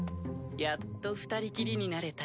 やっと二人きりになれた。